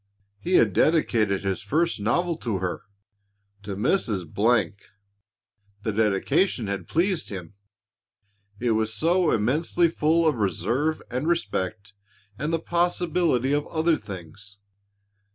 He had dedicated his first novel to her, "To Mrs. " The dedication had pleased him. It was so immensely full of reserve and respect and the possibility of other things.